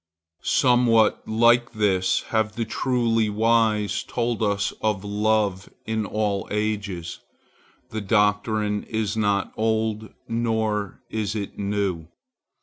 Somewhat like this have the truly wise told us of love in all ages. The doctrine is not old, nor is it new.